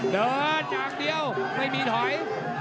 เดินอย่างเดียวไม่มีถอย